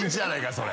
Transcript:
それ。